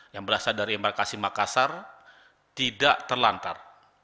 yang berasal dari embarkasi makassar tidak terlantar